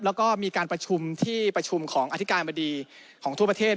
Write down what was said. แล้วก็มีการประชุมที่ประชุมของอธิการบดีของทั่วประเทศ